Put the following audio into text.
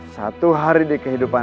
satu hari di kehidupan